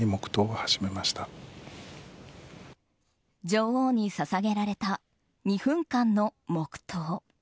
女王に捧げられた２分間の黙祷。